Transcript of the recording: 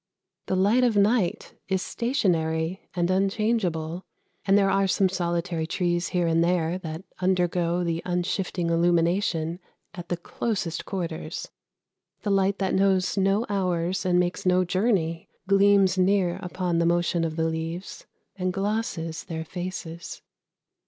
The light of night is stationary and unchangeable, and there are some solitary trees here and there that undergo the unshifting illumination at the closest quarters; the light that knows no hours and makes no journey gleams near upon the motion of the leaves and glosses their faces.